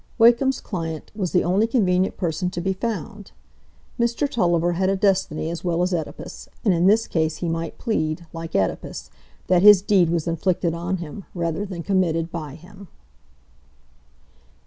Wakem's client was the only convenient person to be found. Mr Tulliver had a destiny as well as Œdipus, and in this case he might plead, like Œdipus, that his deed was inflicted on him rather than committed by him.